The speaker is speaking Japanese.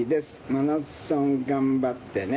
マラソン頑張ってね。